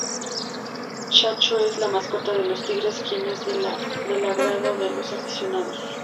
Chacho es la mascota de los tigres quien es del agrado de los aficionados.